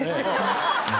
ハハハハ。